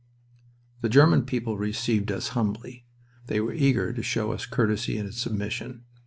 The German people received us humbly. They were eager to show us courtesy and submission.